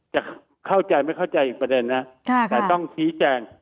จะเข้าใจไม่เข้าใจอีกประเด็นนะแต่ต้องชี้แจง